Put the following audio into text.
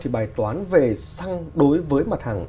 thì bài toán về xăng đối với mặt hàng